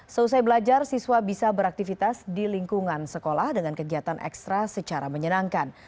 selesai belajar siswa bisa beraktivitas di lingkungan sekolah dengan kegiatan ekstra secara menyenangkan